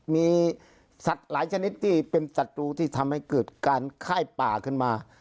มีสัตว์หลายชนิดที่เป็นศัตรูที่ทำให้เกิดการฆ่าป่าขึ้นมา